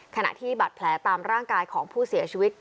ขณะที่บัตรแผลตามร่างกายของผู้เสียชีวิต